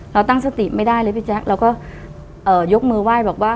เราตั้งสติไม่ได้เลยพี่แจ๊คเราก็ยกมือไหว้บอกว่า